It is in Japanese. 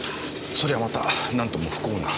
そりゃあまた何とも不幸な。